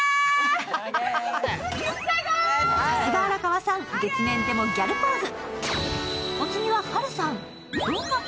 さすが荒川さん、月面でもギャルポーズ。